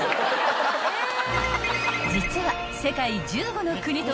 ［実は］